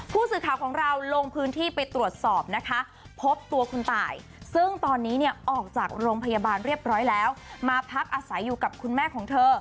ผู้สื่อข่าวของเราลงพื้นที่ไปตรวจสอบนะคะพบตัวคุณตายซึ่งตอนนี้เนี่ยออกจากโรงพยาบาลเรียบร้อยแล้วมาพักอาศัยอยู่กับคุณแม่ของเธอ